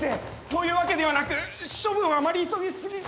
そういうわけではなく処分をあまり急ぎすぎ。